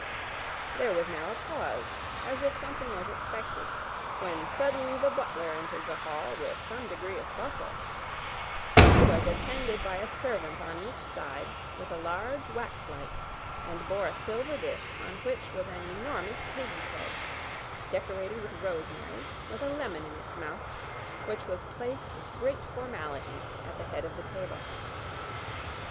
There was now a pause, as if something was expected; when suddenly the butler entered the hall with some degree of bustle; he was attended by a servant on each side with a large wax light, and bore a silver dish, on which was an enormous pig's head, decorated with rosemary, with a lemon in its mouth, which was placed with great formality at the head of the table.